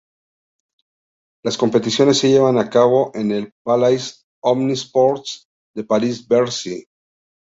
Las competiciones se llevaron a cabo en el Palais Omnisports de Paris-Bercy.